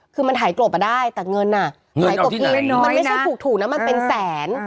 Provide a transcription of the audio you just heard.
คือมันถ่ายกรบอะได้แต่เงินอะถ่ายกรบอีกมันไม่ใช่ถูกถูกนะมันเป็นแสน